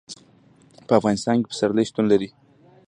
په افغانستان کې پسرلی شتون لري.